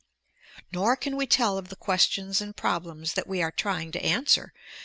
Nor can we tell of the questions and problems that we are trying to answer.